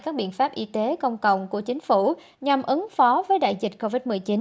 các biện pháp y tế công cộng của chính phủ nhằm ứng phó với đại dịch covid một mươi chín